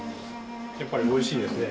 やっぱり美味しいですね。